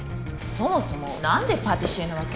そもそも何でパティシエなわけ？